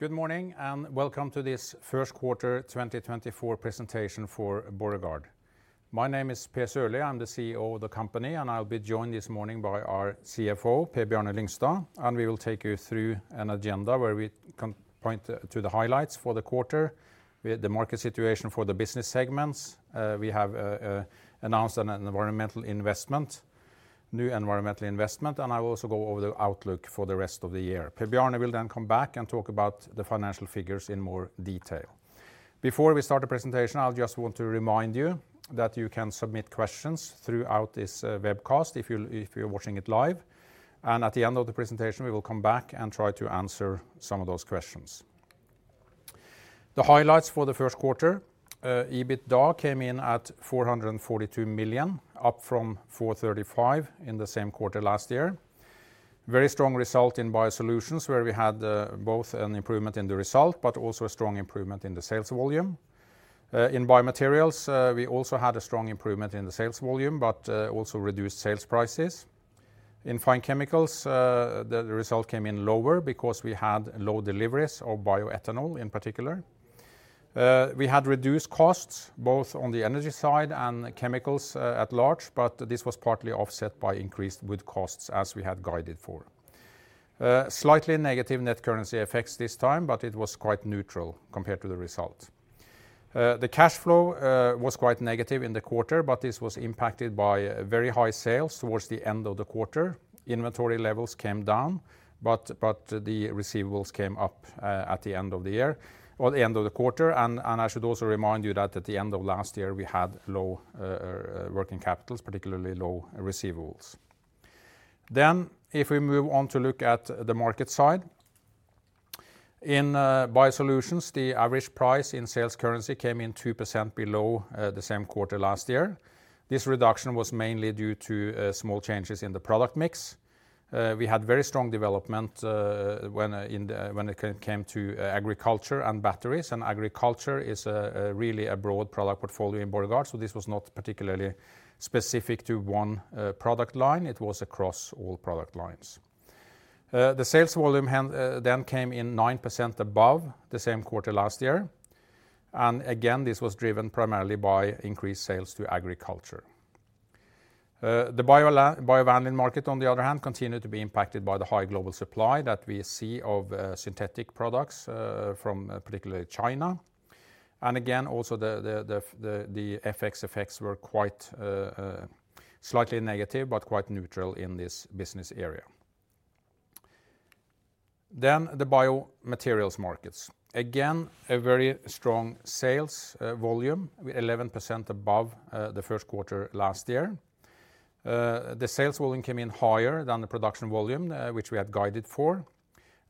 Good morning and welcome to this first quarter 2024 presentation for Borregaard. My name is Per Sørlie, I'm the CEO of the company, and I'll be joined this morning by our CFO, Per Bjarne Lyngstad, and we will take you through an agenda where we can point to the highlights for the quarter, the market situation for the business segments. We have announced an environmental investment, new environmental investment, and I will also go over the outlook for the rest of the year. Per Bjarne will then come back and talk about the financial figures in more detail. Before we start the presentation, I'll just want to remind you that you can submit questions throughout this webcast if you're watching it live, and at the end of the presentation we will come back and try to answer some of those questions. The highlights for the first quarter: EBITDA came in at 442 million, up from 435 million in the same quarter last year. Very strong result in BioSolutions where we had both an improvement in the result but also a strong improvement in the sales volume. In BioMaterials, we also had a strong improvement in the sales volume but also reduced sales prices. In Fine Chemicals, the result came in lower because we had low deliveries of bioethanol in particular. We had reduced costs both on the energy side and chemicals at large, but this was partly offset by increased wood costs as we had guided for. Slightly negative net currency effects this time, but it was quite neutral compared to the result. The cash flow was quite negative in the quarter, but this was impacted by very high sales towards the end of the quarter. Inventory levels came down, but the receivables came up at the end of the year, or the end of the quarter, and I should also remind you that at the end of last year we had low working capital, particularly low receivables. Then if we move on to look at the market side, in BioSolutions the average price in sales currency came in 2% below the same quarter last year. This reduction was mainly due to small changes in the product mix. We had very strong development when it came to agriculture and batteries, and agriculture is really a broad product portfolio in Borregaard, so this was not particularly specific to one product line, it was across all product lines. The sales volume then came in 9% above the same quarter last year, and again this was driven primarily by increased sales to agriculture. The Biovanillin market, on the other hand, continued to be impacted by the high global supply that we see of synthetic products from particularly China, and again also the FX effects were quite slightly negative but quite neutral in this business area. Then the BioMaterials markets. Again, a very strong sales volume, 11% above the first quarter last year. The sales volume came in higher than the production volume which we had guided for,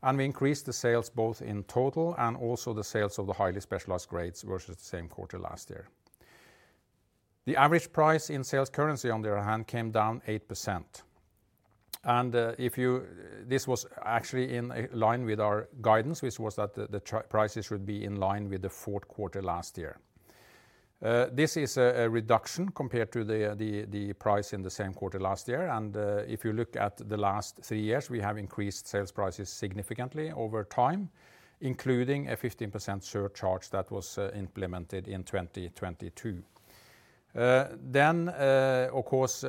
and we increased the sales both in total and also the sales of the Highly Specialized Grades versus the same quarter last year. The average price in sales currency, on the other hand, came down 8%, and this was actually in line with our guidance, which was that the prices should be in line with the fourth quarter last year. This is a reduction compared to the price in the same quarter last year, and if you look at the last three years we have increased sales prices significantly over time, including a 15% surcharge that was implemented in 2022. Then, of course,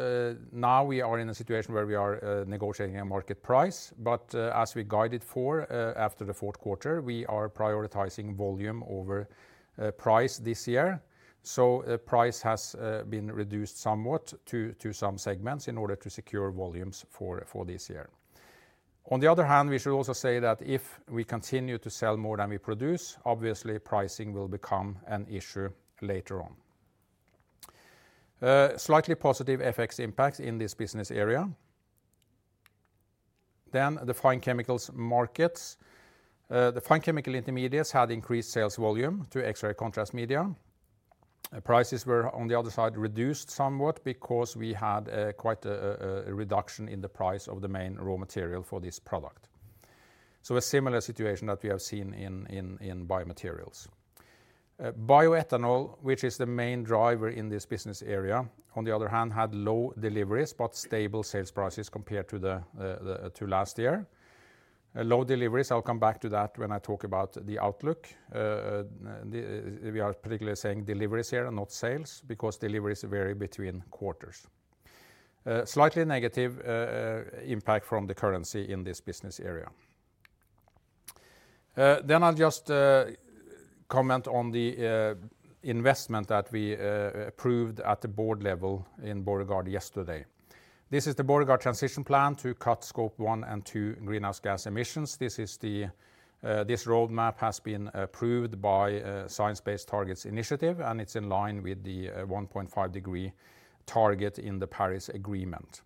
now we are in a situation where we are negotiating a market price, but as we guided for after the fourth quarter we are prioritizing volume over price this year, so price has been reduced somewhat to some segments in order to secure volumes for this year. On the other hand, we should also say that if we continue to sell more than we produce, obviously pricing will become an issue later on. Slightly positive FX impacts in this business area. Then the Fine Chemicals markets. The Fine Chemical Intermediates had increased sales volume to X-ray Contrast Media. Prices were, on the other side, reduced somewhat because we had quite a reduction in the price of the main raw material for this product. So a similar situation that we have seen in BioMaterials. Bioethanol, which is the main driver in this business area, on the other hand, had low deliveries but stable sales prices compared to last year. Low deliveries, I'll come back to that when I talk about the outlook. We are particularly saying deliveries here and not sales because deliveries vary between quarters. Slightly negative impact from the currency in this business area. Then I'll just comment on the investment that we approved at the board level in Borregaard yesterday. This is the Borregaard transition plan to cut Scope One and Two greenhouse gas emissions. This roadmap has been approved by Science Based Targets initiative, and it's in line with the 1.5-degree target in the Paris Agreement.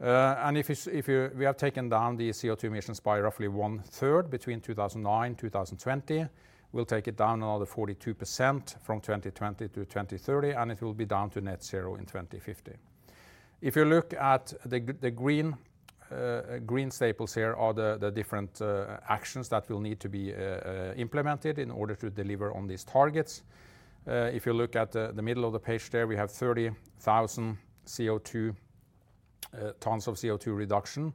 If we have taken down the CO2 emissions by roughly one-third between 2009 and 2020, we'll take it down another 42% from 2020-2030, and it will be down to net zero in 2050. If you look at the green staples, here are the different actions that will need to be implemented in order to deliver on these targets. If you look at the middle of the page there, we have 30,000 tons of CO2 reduction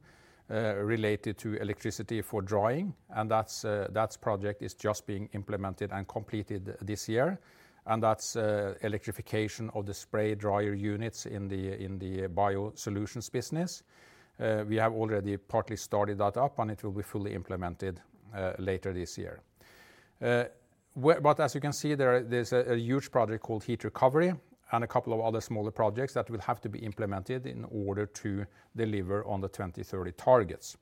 related to electricity for drying, and that project is just being implemented and completed this year, and that's electrification of the spray dryer units in the BioSolutions business. We have already partly started that up, and it will be fully implemented later this year. But as you can see, there's a huge project called Heat Recovery and a couple of other smaller projects that will have to be implemented in order to deliver on the 2030 targets.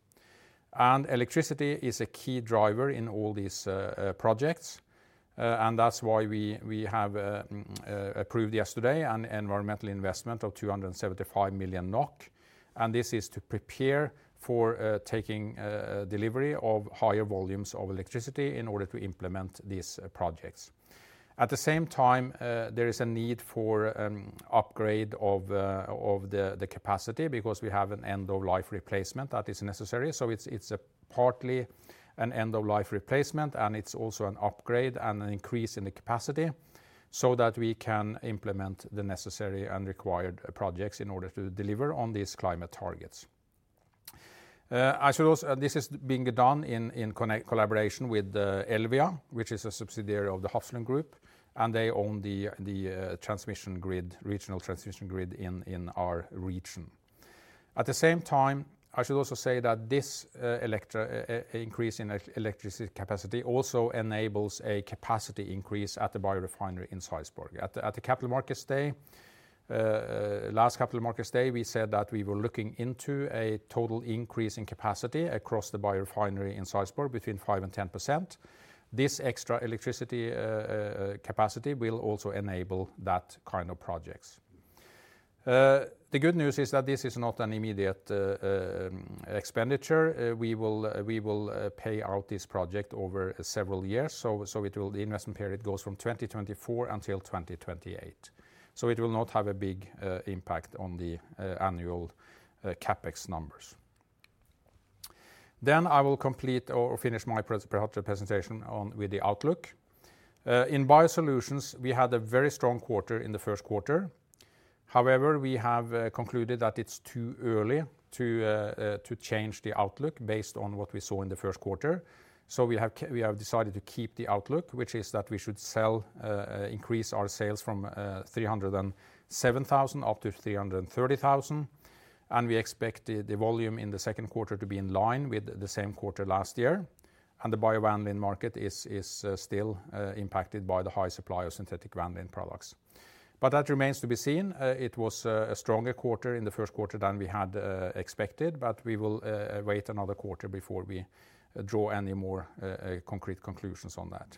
And electricity is a key driver in all these projects, and that's why we have approved yesterday an environmental investment of 275 million NOK, and this is to prepare for taking delivery of higher volumes of electricity in order to implement these projects. At the same time, there is a need for an upgrade of the capacity because we have an end-of-life replacement that is necessary, so it's partly an end-of-life replacement and it's also an upgrade and an increase in the capacity so that we can implement the necessary and required projects in order to deliver on these climate targets. This is being done in collaboration with Elvia, which is a subsidiary of the Hafslund Group, and they own the regional transmission grid in our region. At the same time, I should also say that this increase in electricity capacity also enables a capacity increase at the biorefinery in Sarpsborg. At the capital markets day, last capital markets day, we said that we were looking into a total increase in capacity across the biorefinery in Sarpsborg between 5%-10%. This extra electricity capacity will also enable that kind of projects. The good news is that this is not an immediate expenditure. We will pay out this project over several years, so the investment period goes from 2024 until 2028. So it will not have a big impact on the annual CapEx numbers. Then I will complete or finish my presentation with the outlook. In BioSolutions, we had a very strong quarter in the first quarter. However, we have concluded that it's too early to change the outlook based on what we saw in the first quarter, so we have decided to keep the outlook, which is that we should increase our sales from 307,000 up to 330,000, and we expect the volume in the second quarter to be in line with the same quarter last year, and the Biovanillin market is still impacted by the high supply of synthetic vanillin products. But that remains to be seen. It was a stronger quarter in the first quarter than we had expected, but we will wait another quarter before we draw any more concrete conclusions on that.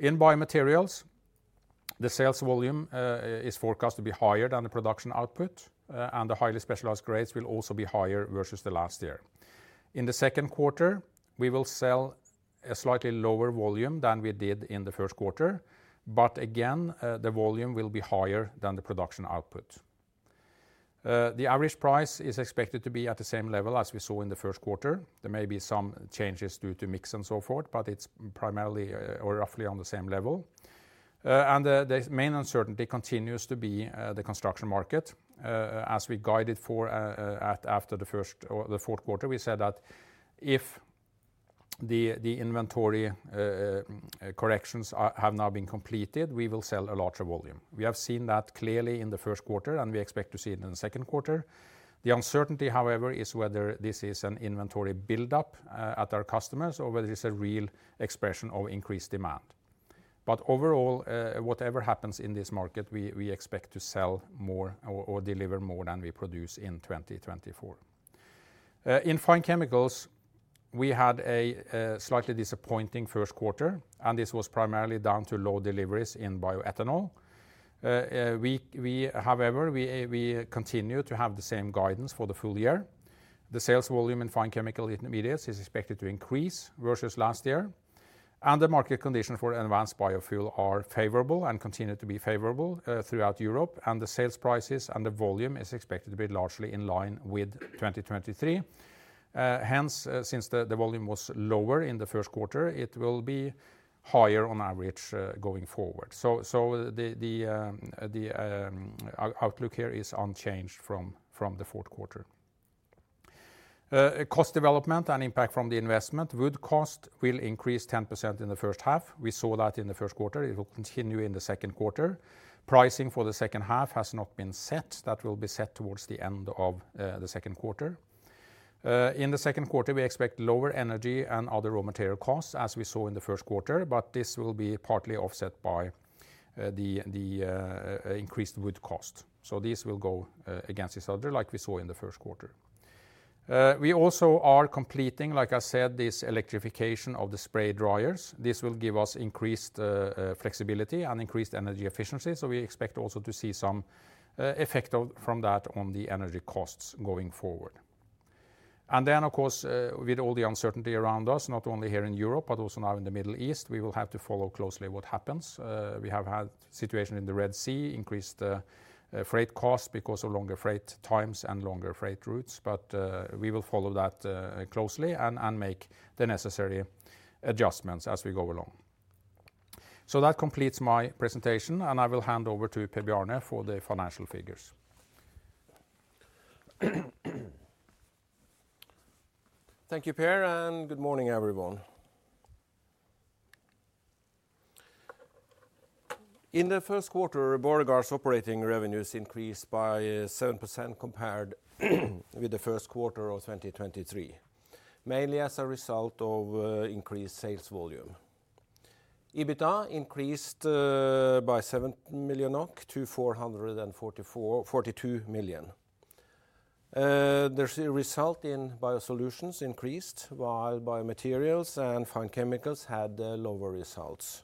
In BioMaterials, the sales volume is forecast to be higher than the production output, and the highly specialized grades will also be higher versus the last year. In the second quarter, we will sell a slightly lower volume than we did in the first quarter, but again, the volume will be higher than the production output. The average price is expected to be at the same level as we saw in the first quarter. There may be some changes due to mix and so forth, but it's primarily or roughly on the same level. The main uncertainty continues to be the construction market. As we guided for after the fourth quarter, we said that if the inventory corrections have now been completed, we will sell a larger volume. We have seen that clearly in the first quarter, and we expect to see it in the second quarter. The uncertainty, however, is whether this is an inventory buildup at our customers or whether it's a real expression of increased demand. But overall, whatever happens in this market, we expect to sell more or deliver more than we produce in 2024. In Fine Chemicals, we had a slightly disappointing first quarter, and this was primarily down to low deliveries in bioethanol. However, we continue to have the same guidance for the full year. The sales volume in Fine Chemical Intermediates is expected to increase versus last year, and the market conditions for advanced biofuel are favorable and continue to be favorable throughout Europe, and the sales prices and the volume are expected to be largely in line with 2023. Hence, since the volume was lower in the first quarter, it will be higher on average going forward. So the outlook here is unchanged from the fourth quarter. Cost development and impact from the investment. Wood cost will increase 10% in the first half. We saw that in the first quarter. It will continue in the second quarter. Pricing for the second half has not been set. That will be set towards the end of the second quarter. In the second quarter, we expect lower energy and other raw material costs as we saw in the first quarter, but this will be partly offset by the increased wood cost. So these will go against each other like we saw in the first quarter. We also are completing, like I said, this electrification of the spray dryers. This will give us increased flexibility and increased energy efficiency, so we expect also to see some effect from that on the energy costs going forward. And then, of course, with all the uncertainty around us, not only here in Europe but also now in the Middle East, we will have to follow closely what happens. We have had a situation in the Red Sea, increased freight costs because of longer freight times and longer freight routes, but we will follow that closely and make the necessary adjustments as we go along. So that completes my presentation, and I will hand over to Per Bjarne for the financial figures. Thank you, Per, and good morning, everyone. In the first quarter, Borregaard's operating revenues increased by 7% compared with the first quarter of 2023, mainly as a result of increased sales volume. EBITDA increased by 7 million-442 million NOK. The result in Biosolutions increased, while BioMaterials and Fine Chemicals had lower results.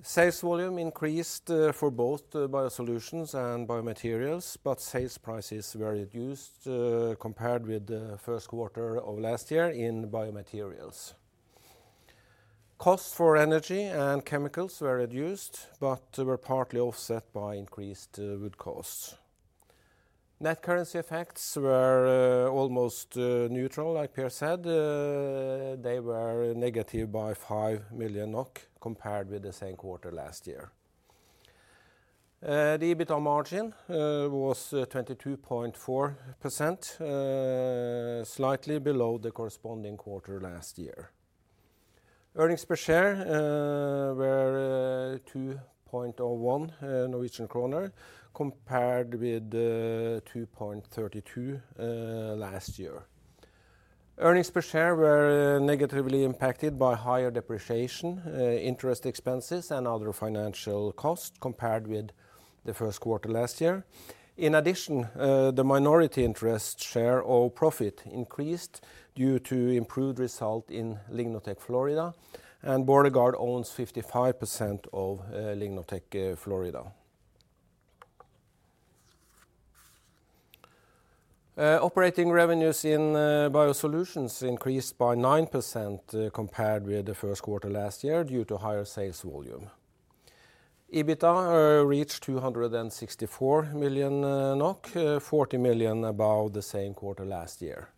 Sales volume increased for both Biosolutions and BioMaterials, but sales prices were reduced compared with the first quarter of last year in BioMaterials. Costs for energy and chemicals were reduced but were partly offset by increased wood costs. Net currency effects were almost neutral, like Per said. They were negative by 5 million NOK compared with the same quarter last year. The EBITDA margin was 22.4%, slightly below the corresponding quarter last year. Earnings per share were 2.01 Norwegian kroner compared with 2.32 last year. Earnings per share were negatively impacted by higher depreciation, interest expenses, and other financial costs compared with the first quarter last year. In addition, the minority interest share of profit increased due to improved results in LignoTech Florida, and Borregaard owns 55% of LignoTech Florida. Operating revenues in BioSolutions increased by 9% compared with the first quarter last year due to higher sales volume. EBITDA reached 264 million NOK, 40 million above the same quarter last year.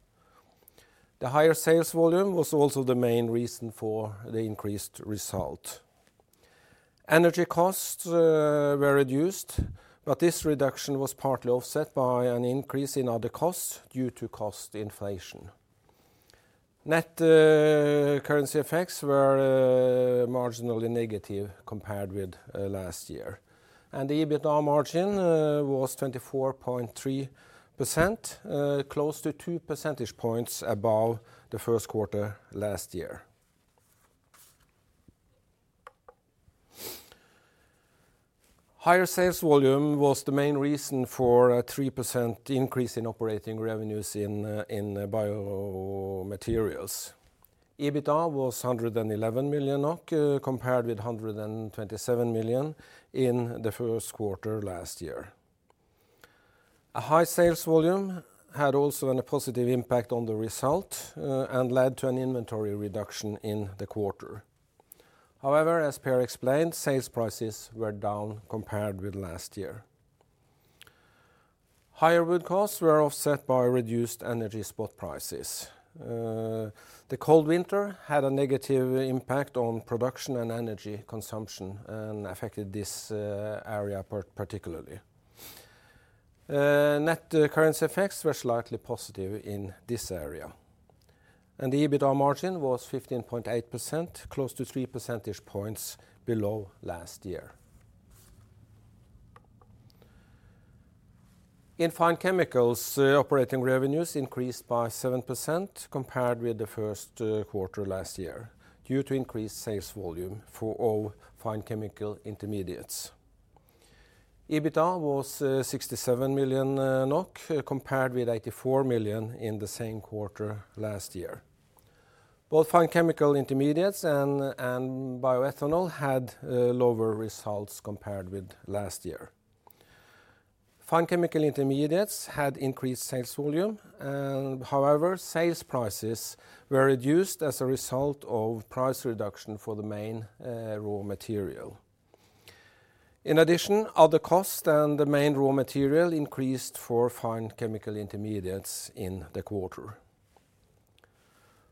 The higher sales volume was also the main reason for the increased result. Energy costs were reduced, but this reduction was partly offset by an increase in other costs due to cost inflation. Net currency effects were marginally negative compared with last year, and the EBITDA margin was 24.3%, close to 2% points above the first quarter last year. Higher sales volume was the main reason for a 3% increase in operating revenues in BioMaterials. EBITDA was 111 million NOK compared with 127 million in the first quarter last year. A high sales volume had also a positive impact on the result and led to an inventory reduction in the quarter. However, as Per explained, sales prices were down compared with last year. Higher wood costs were offset by reduced energy spot prices. The cold winter had a negative impact on production and energy consumption and affected this area particularly. Net currency effects were slightly positive in this area, and the EBITDA margin was 15.8%, close to 3% points below last year. In Fine Chemicals, operating revenues increased by 7% compared with the first quarter last year due to increased sales volume of Fine Chemical Intermediates. EBITDA was 67 million NOK compared with 84 million in the same quarter last year. Both Fine Chemical Intermediates and Bioethanol had lower results compared with last year. Fine Chemical Intermediates had increased sales volume. However, sales prices were reduced as a result of price reduction for the main raw material. In addition, other costs than the main raw material increased for Fine Chemical Intermediates in the quarter.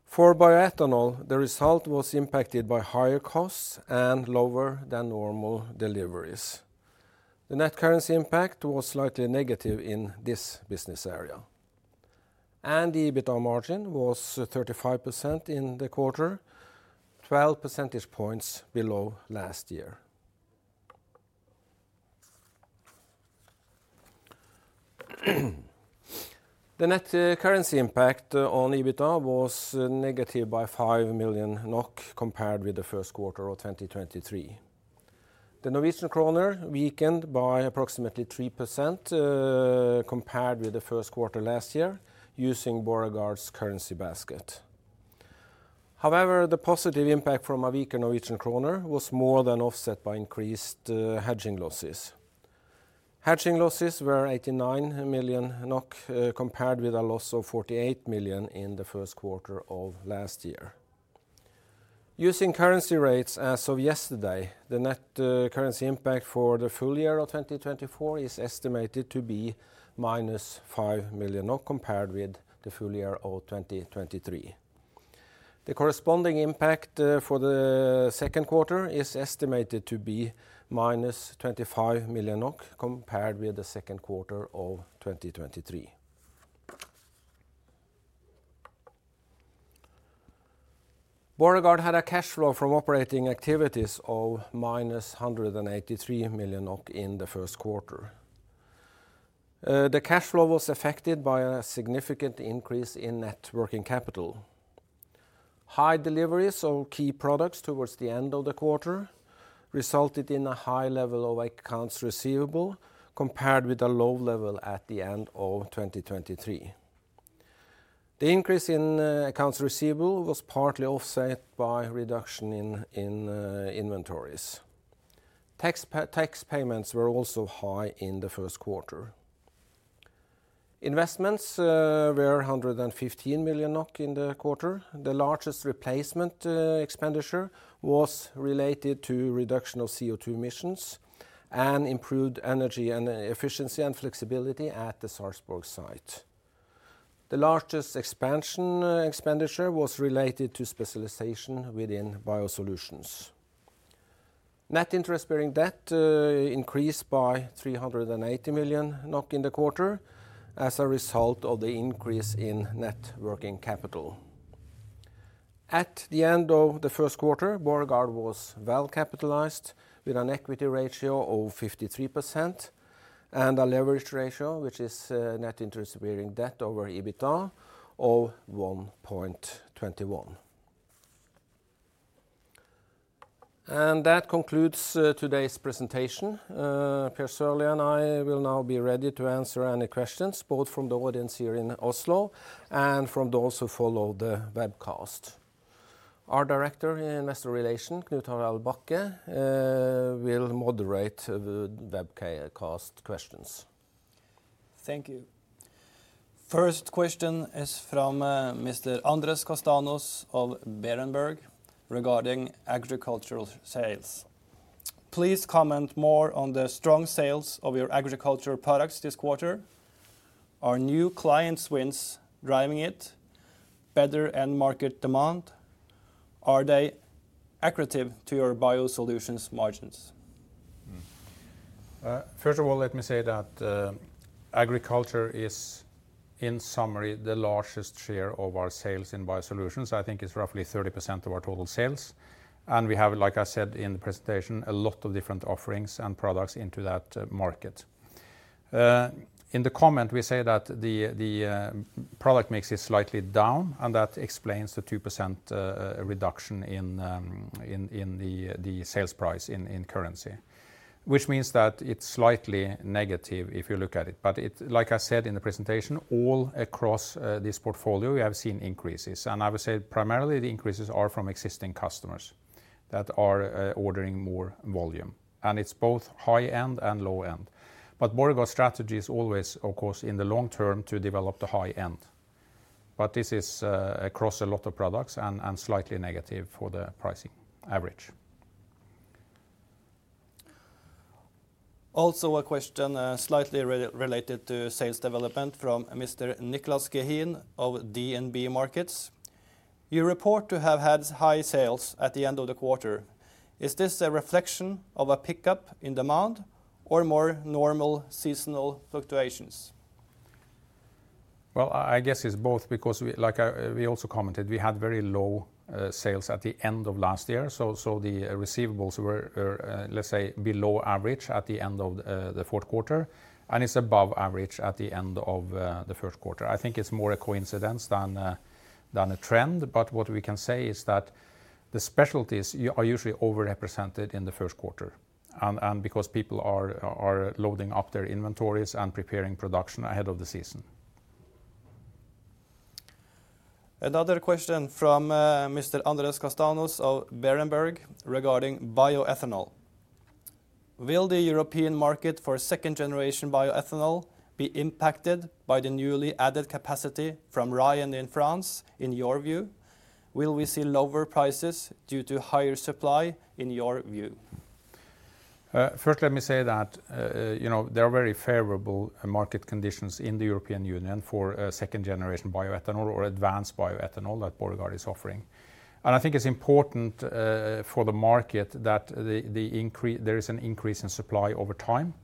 For Bioethanol, the result was impacted by higher costs and lower-than-normal deliveries. The net currency impact was slightly negative in this business area, and the EBITDA margin was 35% in the quarter, 12% points below last year. The net currency impact on EBITDA was negative by 5 million NOK compared with the first quarter of 2023. The Norwegian kroner weakened by approximately 3% compared with the first quarter last year using Borregaard's currency basket. However, the positive impact from a weaker Norwegian kroner was more than offset by increased hedging losses. Hedging losses were 89 million NOK compared with a loss of 48 million in the first quarter of last year. Using currency rates as of yesterday, the net currency impact for the full-year of 2024 is estimated to be -5 million compared with the full year of 2023. The corresponding impact for the second quarter is estimated to be -25 million NOK compared with the second quarter of 2023. Borregaard had a cash flow from operating activities of -183 million in the first quarter. The cash flow was affected by a significant increase in net working capital. High deliveries of key products towards the end of the quarter resulted in a high level of accounts receivable compared with a low level at the end of 2023. The increase in accounts receivable was partly offset by reduction in inventories. Tax payments were also high in the first quarter. Investments were 115 million NOK in the quarter. The largest replacement expenditure was related to reduction of CO2 emissions and improved energy efficiency and flexibility at the Sarpsborg site. The largest expansion expenditure was related to specialization within BioSolutions. Net interest bearing debt increased by 380 million NOK in the quarter as a result of the increase in net working capital. At the end of the first quarter, Borregaard was well capitalized with an equity ratio of 53% and a leverage ratio, which is net interest bearing debt over EBITDA, of 1.21. That concludes today's presentation. Per Sørlie and I will now be ready to answer any questions, both from the audience here in Oslo and from those who follow the webcast. Our Director in Investor Relations, Knut-Harald Bakke, will moderate the webcast questions. Thank you. First question is from Mr. Andrés Castanos of Berenberg regarding agricultural sales. Please comment more on the strong sales of your agricultural products this quarter. Are new client swings driving it? Better end market demand? Are they accretive to your BioSolutions margins? First of all, let me say that agriculture is, in summary, the largest share of our sales in BioSolutions. I think it's roughly 30% of our total sales. We have, like I said in the presentation, a lot of different offerings and products into that market. In the comment, we say that the product mix is slightly down, and that explains the 2% reduction in the sales price in currency, which means that it's slightly negative if you look at it. But like I said in the presentation, all across this portfolio, we have seen increases. I would say primarily the increases are from existing customers that are ordering more volume. It's both high-end and low-end. But Borregaard's strategy is always, of course, in the long-term to develop the high-end. But this is across a lot of products and slightly negative for the pricing average. Also a question slightly related to sales development from Mr. Niclas Gehin of DNB Markets. You report to have had high sales at the end of the quarter. Is this a reflection of a pickup in demand or more normal seasonal fluctuations? Well, I guess it's both because, like we also commented, we had very low sales at the end of last year. So the receivables were, let's say, below average at the end of the fourth quarter, and it's above average at the end of the first quarter. I think it's more a coincidence than a trend. But what we can say is that the specialties are usually overrepresented in the first quarter because people are loading up their inventories and preparing production ahead of the season. Another question from Mr. Andrés Castanos of Berenberg regarding bioethanol. Will the European market for second-generation bioethanol be impacted by the newly added capacity from Rayonier in France, in your view? Will we see lower prices due to higher supply, in your view? First, let me say that there are very favorable market conditions in the European Union for second-generation bioethanol or advanced bioethanol that Borregaard is offering. And I think it's important for the market that there is an increase in supply over time.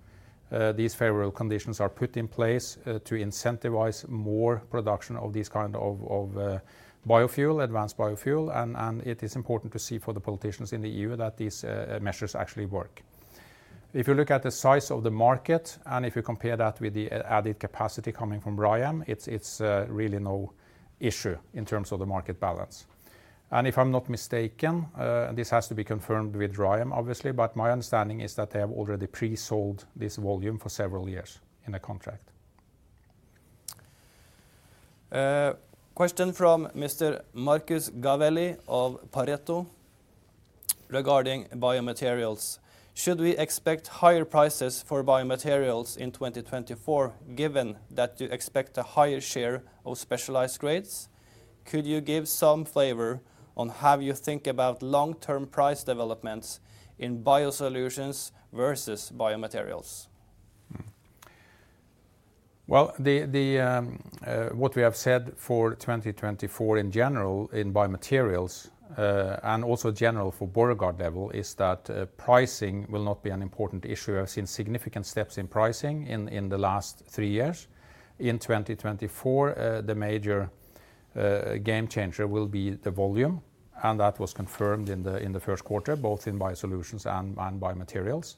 These favorable conditions are put in place to incentivize more production of these kinds of biofuel, advanced biofuel. And it is important to see for the politicians in the EU that these measures actually work. If you look at the size of the market and if you compare that with the added capacity coming from Rayonier, it's really no issue in terms of the market balance. And if I'm not mistaken, this has to be confirmed with Rayonier, obviously, but my understanding is that they have already pre-sold this volume for several years in a contract. Question from Mr. Marcus Gavelli of Pareto regarding BioMaterials. Should we expect higher prices for BioMaterials in 2024 given that you expect a higher share of specialized grades? Could you give some flavor on how you think about long-term price developments in BioSolutions versus BioMaterials? Well, what we have said for 2024 in general in BioMaterials and also general for Borregaard level is that pricing will not be an important issue. We have seen significant steps in pricing in the last three years. In 2024, the major game changer will be the volume. And that was confirmed in the first quarter, both in BioSolutions and BioMaterials.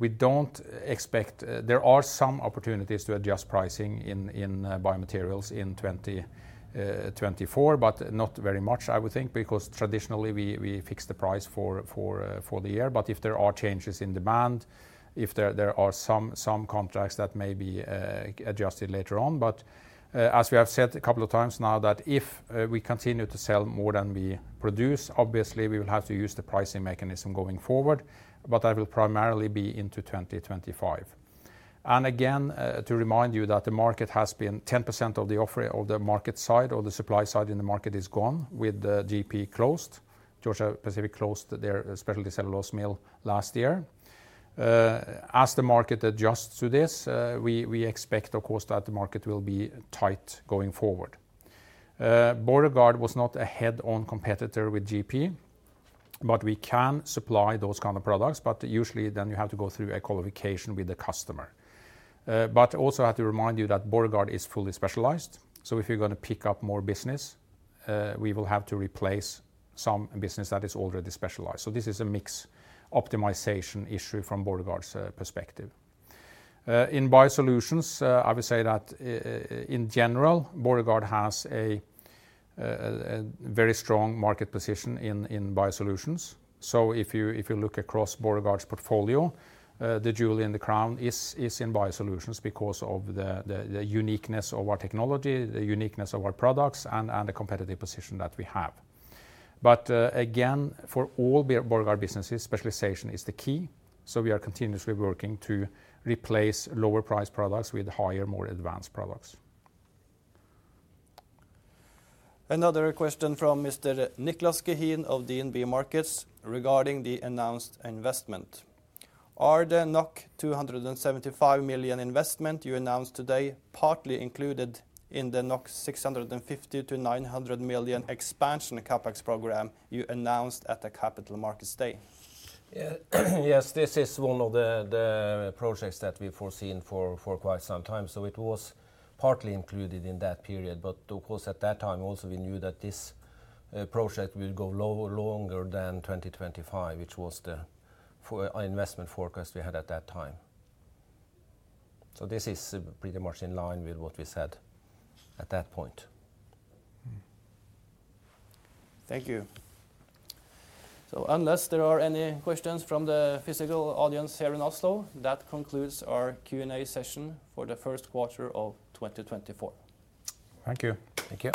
We don't expect there are some opportunities to adjust pricing in BioMaterials in 2024, but not very much, I would think, because traditionally, we fix the price for the year. But if there are changes in demand, if there are some contracts that may be adjusted later on. But as we have said a couple of times now, that if we continue to sell more than we produce, obviously, we will have to use the pricing mechanism going forward. But that will primarily be into 2025. And again, to remind you that the market has been 10% of the market side, or the supply side in the market, is gone with GP closed. Georgia Pacific closed their specialty cellulose mill last year. As the market adjusts to this, we expect, of course, that the market will be tight going forward. Borregaard was not a head-on competitor with GP, but we can supply those kinds of products. But usually, then you have to go through a qualification with the customer. But also I have to remind you that Borregaard is fully specialized. So if you're going to pick up more business, we will have to replace some business that is already specialized. So this is a mix optimization issue from Borregaard's perspective. In BioSolutions, I would say that in general, Borregaard has a very strong market position in BioSolutions. If you look across Borregaard's portfolio, the jewel in the crown is in BioSolutions because of the uniqueness of our technology, the uniqueness of our products, and the competitive position that we have. Again, for all Borregaard businesses, specialization is the key. We are continuously working to replace lower-priced products with higher, more advanced products. Another question from Mr. Niclas Gehin of DNB Markets regarding the announced investment. Are the 275 million investment you announced today partly included in the 650-900 million expansion CapEx program you announced at the Capital Markets Day? Yes, this is one of the projects that we've foreseen for quite some time. So it was partly included in that period. But of course, at that time, also, we knew that this project would go longer than 2025, which was the investment forecast we had at that time. So this is pretty much in line with what we said at that point. Thank you. So unless there are any questions from the physical audience here in Oslo, that concludes our Q&A session for the first quarter of 2024. Thank you. Thank you.